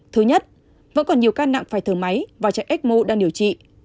thứ nhất vẫn còn nhiều ca nặng phải thở máy và chạy ecmo đang điều trị